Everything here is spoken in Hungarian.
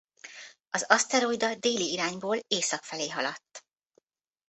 Az aszteroida déli irányból észak felé haladt.